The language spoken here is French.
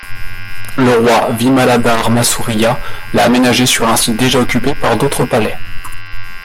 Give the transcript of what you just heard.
Le roi Vimaladharmasuriya I l'a aménagé sur un site déjà occupé par d'autres palais.